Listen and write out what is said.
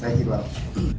saya tidak bisa mengakui